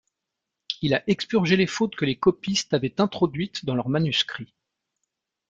Il a expurgé les fautes que les copistes avaient introduites dans leurs manuscrits.